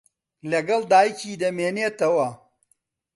لەگەڵ دایکی دەمێنێتەوە.